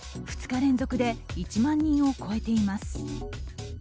２日連続で１万人を超えています。